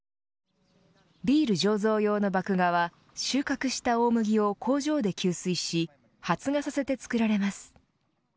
ビール醸造用の麦芽は収穫した大麦を工場で吸水し発芽させて造られます。